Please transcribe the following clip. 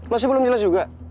masih belum jelas juga